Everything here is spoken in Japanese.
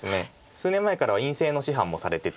数年前からは院生の師範もされてて。